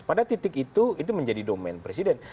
pada titik itu itu menjadi domain presiden